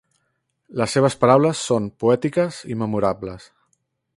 Les seves paraules són poètiques i memorables.